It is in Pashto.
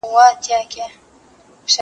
زه سړو ته خواړه ورکړي دي!؟